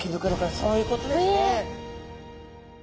そういうことですね。